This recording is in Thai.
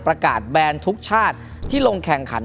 ประกาศแบรนด์ทุกชาติที่ลงแข่งขัน